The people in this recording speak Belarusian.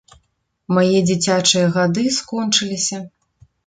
Мае дзіцячыя гады скончыліся.